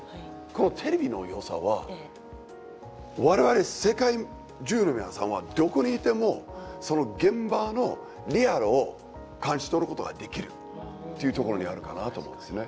テレビのよさは我々世界中の皆さんはどこにいてもその現場のリアルを感じ取ることができるっていうところにあるかなと思うんですね。